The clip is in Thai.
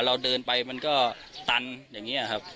เราเดินไปมันก็ตันอย่างนี้ครับ